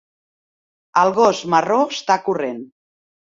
El gos marró està corrent.